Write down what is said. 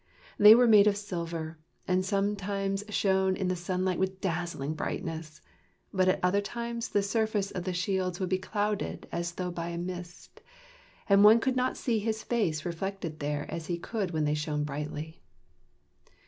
They were made of silver, and sometimes shone in the sunlight with dazzling brightness; but at other times the surface of the shields would be clouded as though by a mist, and one could not see his face reflected there as he could when they shone brightly.